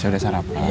saya udah sarapan